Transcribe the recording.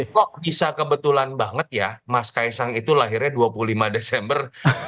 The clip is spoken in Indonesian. kok bisa kebetulan banget ya mas kaisang itu lahirnya dua puluh lima desember seribu sembilan ratus sembilan puluh empat